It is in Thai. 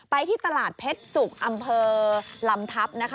ไปที่ตลาดเผ็ดสุกอำเภอลำทับ